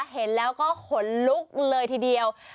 เห็นแล้วก็ขนลุกเลยทีเดียว